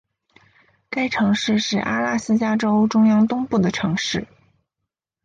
该城市是阿拉斯加州中央东部的城市。